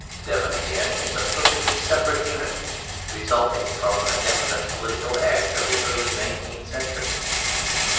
Devon, again, is a perfectly separate unit, resulting from a definite political act of the early ninth century.